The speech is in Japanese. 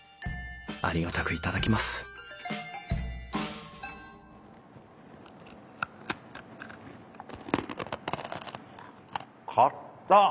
ありがたく頂きますかたっ！